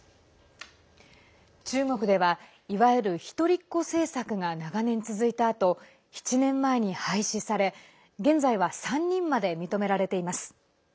中国では、いわゆる一人っ子政策が長年続いたあと７年前に廃止され現在は３人まで認められています。